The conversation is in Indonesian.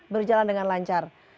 berjalan dengan lancar